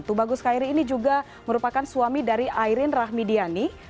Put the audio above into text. tubagus khairi ini juga merupakan suami dari airin rahmidiani